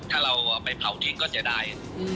ถ้าเราเอาไปเผาทิ้งก็เสียดาย